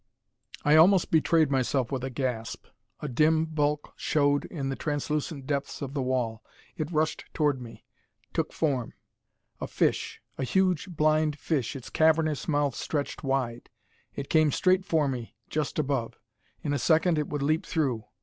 I almost betrayed myself with a gasp! A dim bulk showed in the translucent depths of the wall. It rushed toward me, took form. A fish, a huge, blind fish, its cavernous mouth stretched wide. It came straight for me, just above. In a second it would leap through.